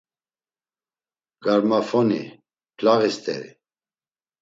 Garmafoni, plaği st̆eri.